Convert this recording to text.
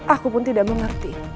aku pun tidak mengerti